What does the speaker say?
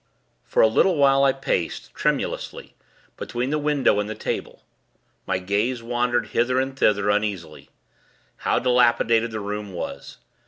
For a little while, I paced, tremulously, between the window and the table; my gaze wandering hither and thither, uneasily. How dilapidated the room was.